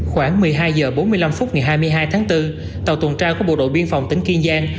khoảng một mươi hai h bốn mươi năm phút ngày hai mươi hai tháng bốn tàu tuần tra của bộ đội biên phòng tỉnh kiên giang